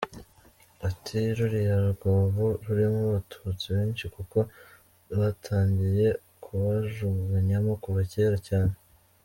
Ati “Ruriya rwobo rurimo Abatutsi benshi kuko batangiye kubajugunyamo kuva cyera cyane.